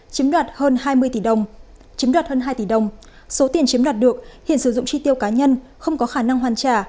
chiếm đoạt hơn hai tỷ đồng số tiền chiếm đoạt được hiền sử dụng tri tiêu cá nhân không có khả năng hoàn trả